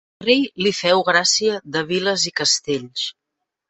El rei li feu gràcia de viles i castells.